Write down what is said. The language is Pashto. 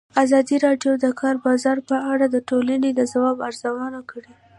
ازادي راډیو د د کار بازار په اړه د ټولنې د ځواب ارزونه کړې.